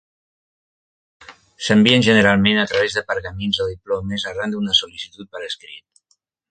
S'envien generalment a través de pergamins o diplomes arran d'una sol·licitud per escrit.